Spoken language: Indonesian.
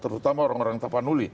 terutama orang orang tapanuli